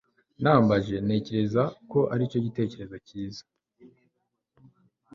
nambaje ntatekereza ko aricyo gitekerezo cyiza